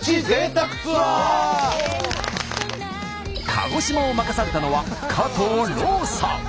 鹿児島を任されたのは加藤ローサ。